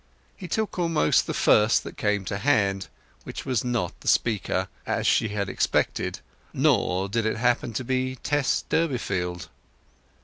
He took almost the first that came to hand, which was not the speaker, as she had expected; nor did it happen to be Tess Durbeyfield.